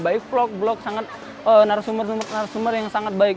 baik vlog blok sangat narasumber narasumber yang sangat baik